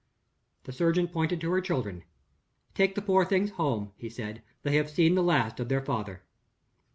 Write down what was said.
The surgeon pointed to her children. "Take the poor things home," he said; "they have seen the last of their father."